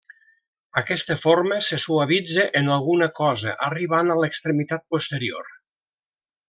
Aquesta forma se suavitza en alguna cosa arribant a l'extremitat posterior.